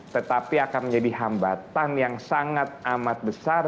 tetapi akan menjadi hambatan yang sangat amat besar